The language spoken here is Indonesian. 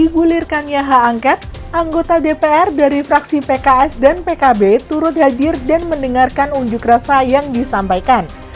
digulirkannya hak angket anggota dpr dari fraksi pks dan pkb turut hadir dan mendengarkan unjuk rasa yang disampaikan